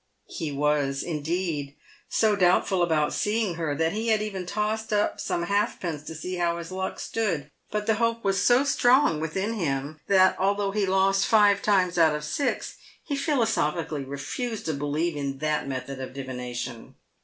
He was, indeed, so doubtful about seeing her, that he had even tossed up some halfpence to see how his luck stood, but the hope was so strong within him that, although he lost five times out of six, he philosophically refused to believe in that method of divina tion.